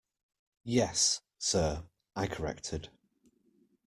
Yes, sir, I corrected.